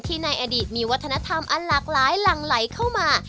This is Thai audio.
ในอดีตมีวัฒนธรรมอันหลากหลายหลั่งไหลเข้ามา